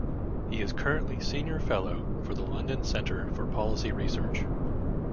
He is currently Senior Fellow for the London Center for Policy Research.